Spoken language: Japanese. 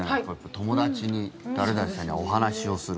友達に、誰々さんにお話しをする。